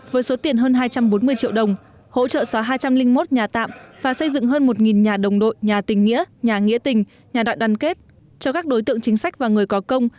với số tiền hơn hai trăm bốn mươi triệu đồng hỗ trợ xóa hai trăm linh một nhà tạm và xây dựng hơn một nhà đồng đội nhà tình nghĩa nhà nghĩa tình nhà đại đoàn kết cho các đối tượng chính sách và người có công